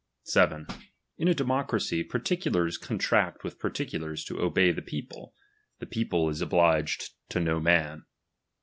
7 !■> a democracy, particulars niiitrnct with particulars to obey the people : the people is obliged to no man.